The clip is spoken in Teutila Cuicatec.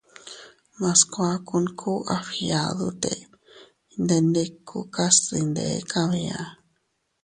Mas kuakun ku a fgiadute iydendikukas dinde kabia.